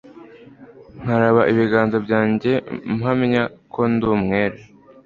Nkaraba ibiganza byanjye mpamya ko ndi umwere